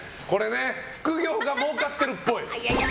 副業がもうかってるっぽい。